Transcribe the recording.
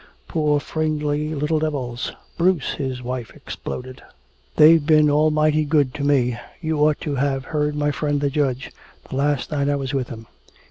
Poor friendly little devils " "Bruce!" his wife exploded. "They've been almighty good to me. You ought to have heard my friend the Judge, the last night I was with him.